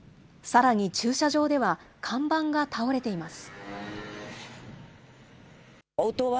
さらに駐車場では看板が倒れています。